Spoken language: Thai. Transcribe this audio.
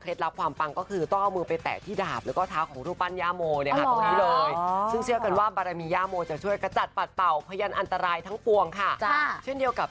เคล็ดก็คือลิ้มก็คือต้องไปไหมแปะที่ดาบ